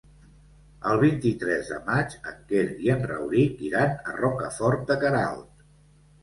El vint-i-tres de maig en Quer i en Rauric iran a Rocafort de Queralt.